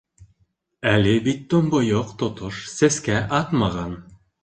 Әле бит томбойоҡ тотош сәскә атмаған.